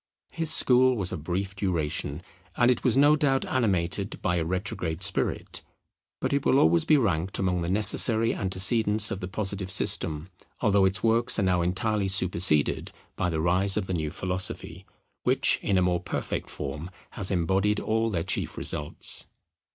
His school was of brief duration, and it was no doubt animated by a retrograde spirit; but it will always be ranked among the necessary antecedents of the Positive system; although its works are now entirely superseded by the rise of the new philosophy, which in a more perfect form has embodied all their chief results.